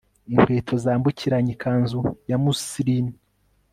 Inkweto zambukiranya ikanzu ya muslin